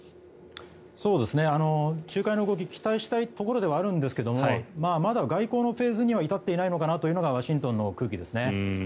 仲介の動きを期待したいところではあるんですがまだ外交のフェーズには至っていないのかなというのがワシントンの空気ですね。